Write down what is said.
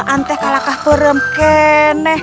kalau tidak aku akan perempuan